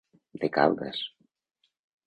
De Caldas.